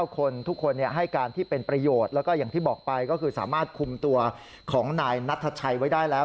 คนทุกคนให้การที่เป็นประโยชน์แล้วก็อย่างที่บอกไปก็คือสามารถคุมตัวของนายนัทชัยไว้ได้แล้ว